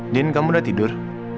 din kamu udah tidur